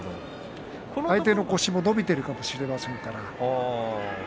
相手の腰も伸びているかもしれませんから。